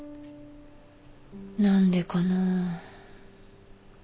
何でかな。